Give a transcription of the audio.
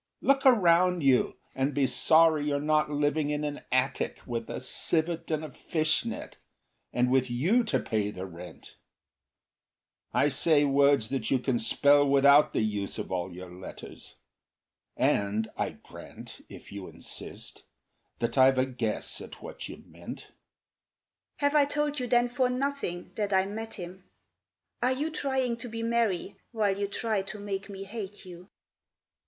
Look around you and be sorry you're not living in an attic, With a civet and a fish net, and with you to pay the rent. I say words that you can spell without the use of all your letters; And I grant, if you insist, that I've a guess at what you meant." "Have I told you, then, for nothing, that I met him? Are you trying To be merry while you try to make me hate you?"